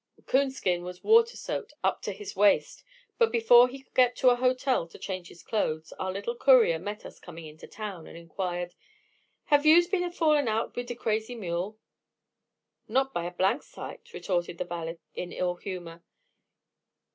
Coonskin was watersoaked up to his waist. But before he could get to a hotel to change his clothes, our little courier met us coming into town, and inquired, "Hev yuse been havin' a fallin' out wid de crazy mule?" "Not by a blank sight," retorted the valet, in ill humor.